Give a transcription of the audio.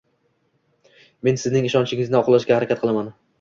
Men sizning ishonchingizni oqlashga harakat qilaman.